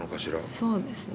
そうですね。